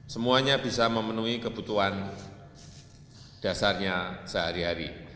semuanya bisa memenuhi kebutuhan dasarnya sehari hari